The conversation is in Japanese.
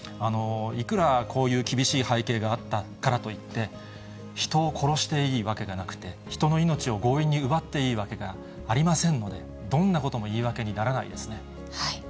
いくらこういう厳しい背景があったからといって、人を殺していいわけではなくて、人の命を強引に奪っていいわけはありませんので、どんなことも言い訳にならないですね。